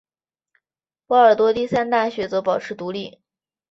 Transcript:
波尔多第三大学则保持独立。